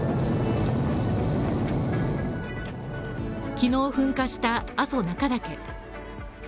昨日噴火した阿蘇中岳。